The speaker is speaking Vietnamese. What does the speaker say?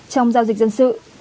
trong giao dịch dân sự